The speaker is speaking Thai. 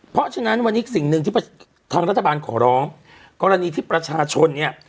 เพราะฉะนั้นวันนี้สิ่งหนึ่งที่ทางรัฐบาลขอร้องกรณีที่ประชาชนเนี่ย